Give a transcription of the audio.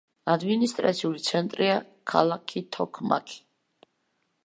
ადმინისტრაციული ცენტრია ქალაქი თოქმაქი.